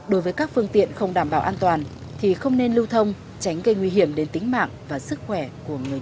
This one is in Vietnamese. đối với các phương tiện không đảm bảo an toàn thì không nên lưu thông tránh gây nguy hiểm đến tính mạng và sức khỏe của người dân